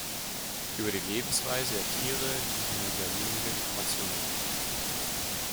Über die Lebensweise der Tiere liegen nur sehr wenige Informationen vor.